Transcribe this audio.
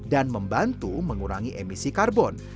dan membantu mengurangi emisi karbon